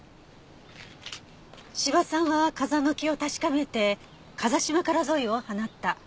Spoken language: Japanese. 斯波さんは風向きを確かめて風下からゾイを放った。